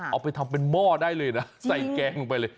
เอาไปทำเป็นหม้อได้เลยนะใส่แกงลงไปเลย